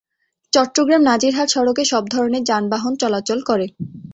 চট্টগ্রাম-নাজিরহাট সড়কে সব ধরনের যানবাহন চলাচল করে।